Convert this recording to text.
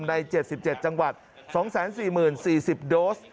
ใน๗๗จังหวัด๒๔๐๔๐โดส